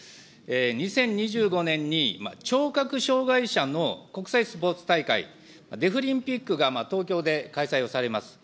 ２０２５年に聴覚障害者の国際スポーツ大会、デフリンピックが東京で開催をされます。